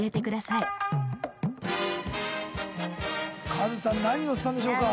カズさん何をしたんでしょうか？